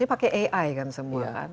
pakai ai kan semua kan